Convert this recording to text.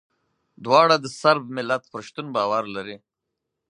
دواړه د صرب ملت پر شتون باور لري.